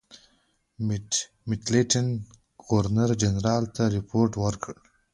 میډلټن ګورنرجنرال ته رپوټ ورکړ.